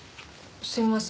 すみません。